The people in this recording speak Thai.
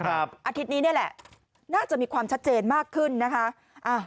อาทิตย์นี้นี่แหละน่าจะมีความชัดเจนมากขึ้นนะคะ